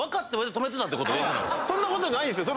そんなことないですよ。